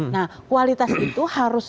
nah kualitas itu harus